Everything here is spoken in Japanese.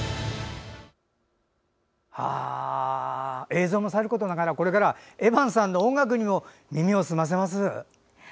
映像もさることながらこれからエバンさんの音楽にも耳を澄ませます。